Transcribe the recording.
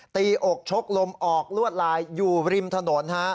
อกชกลมออกลวดลายอยู่ริมถนน